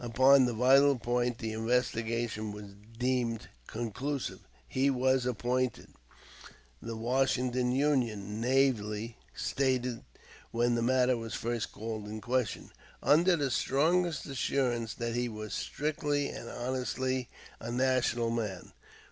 Upon the vital point the investigation was deemed conclusive. "He was appointed," the "Washington Union" naively stated when the matter was first called in question, "under the strongest assurance that he was strictly and honestly a national man.